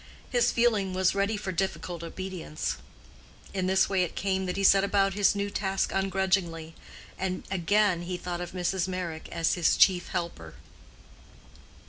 His feeling was ready for difficult obedience. In this way it came that he set about his new task ungrudgingly; and again he thought of Mrs. Meyrick as his chief helper.